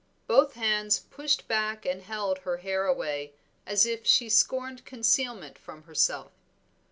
Both hands pushed back and held her hair away as if she scorned concealment from herself.